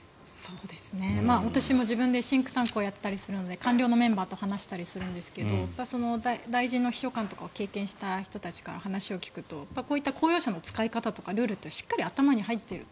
私も自分でシンクタンクをやったりするので官僚のメンバーと話したりするんですけど大臣の秘書官を経験した人たちから話を聞くとこういった公用車の使い方とかルールっていうのはしっかり頭に入っていると。